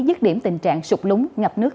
dứt điểm tình trạng sụp lúng ngập nước